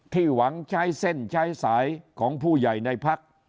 หวังใช้เส้นใช้สายของผู้ใหญ่ในพัก